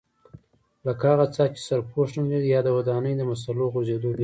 لکه هغه څاه چې سرپوښ نه لري یا د ودانیو د مسالو غورځېدو وېره.